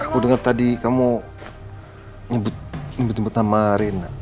aku denger tadi kamu nyebut nama reina